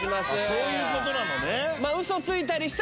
そういうことなのね。